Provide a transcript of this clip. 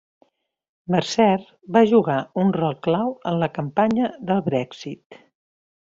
Mercer va jugar un rol clau en la campanya del Brexit.